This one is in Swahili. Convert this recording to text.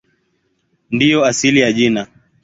Ndiyo asili ya jina.